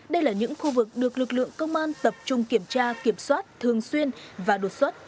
đây là những khu vực được lực lượng công an tập trung kiểm tra kiểm soát thường xuyên và đột xuất